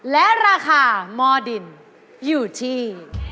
และราคามอดินอยู่ที่